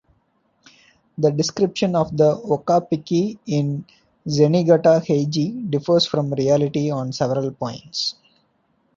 The description of the okappiki in Zenigata Heiji differs from reality on several points.